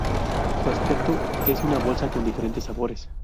Su aspecto es una bolsa con diferentes sabores.